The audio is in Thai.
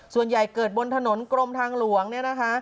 ส่วนใหญ่เกิดบนถนนกรมทางหลวงเนี่ยนะคะ